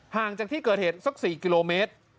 ห่างจากที่เกิดเหตุสัก๔กิโลเมตร